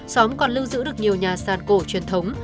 xóm còn lưu giữ được nhiều nhà sàn cổ truyền thống